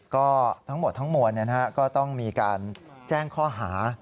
ก็ทั้งหมดทั้งมวลก็ต้องมีการแจ้งข้อหา